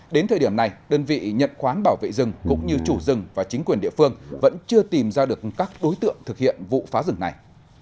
đến thời điểm này đơn vị nhận khoán bảo vệ rừng cũng như chủ rừng và chính quyền địa phương vẫn chưa tìm ra được các đối tượng thực hiện vụ phá rừng này